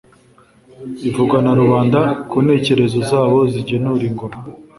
ivugwa na rubanda ku ntekerezo zabo zigenura ingoma.